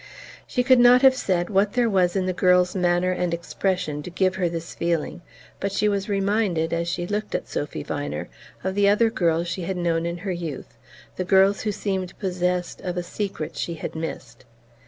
She could not have said what there was in the girl's manner and expression to give her this feeling, but she was reminded, as she looked at Sophy Viner, of the other girls she had known in her youth, the girls who seemed possessed of a secret she had missed.